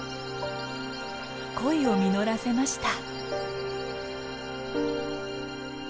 恋を実らせました。